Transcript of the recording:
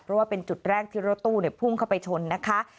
เพราะว่าเป็นจุดแรกที่รถตู้พุ่งเข้าไปชนนะคะ